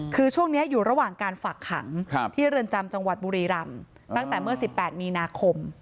คือช่วงนี้อยู่ระหว่างการฝากขังที่เรือนจำจังหวัดบุรีรำตั้งแต่เมื่อ๑๘มีนาคม